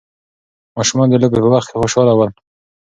ماشومان د لوبې په وخت خوشحاله ول.